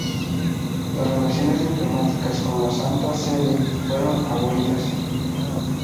Las relaciones diplomáticas con la Santa Sede fueron abolidas.